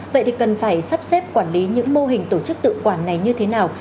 vậy thì cần phải sắp xếp quản lý những mô hình tổ chức tự quản này như thế nào